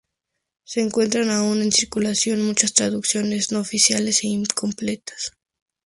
Se encuentran aún en circulación muchas traducciones no oficiales e incompletas.